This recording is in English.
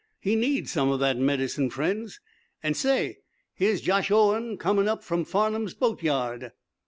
He needs some of that medicine, friends. An' say, here's Josh Owen coming up from Farnum's boatyard."